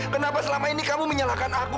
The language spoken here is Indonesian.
kenapa selama ini kamu menyalahkan aku